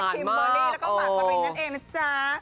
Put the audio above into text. คิมเบอร์ลี่แล้วก็หมากวะรินั่นเองนะจ๊ะโอ้โหหวานมาก